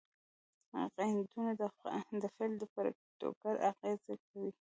قیدونه د فعل پر کېټګوري اغېز کوي.